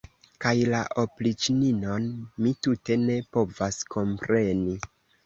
Kaj la opriĉninon mi tute ne povas kompreni.